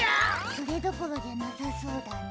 それどころじゃなさそうだな。